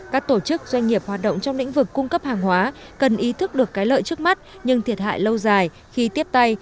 các tổ chức doanh nghiệp hoạt động trong lĩnh vực cung cấp hàng hóa cần ý thức được cái lợi trước mắt nhưng thiệt hại lâu dài khi tiếp tay